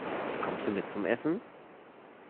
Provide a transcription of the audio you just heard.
Kommst du mit zum Essen?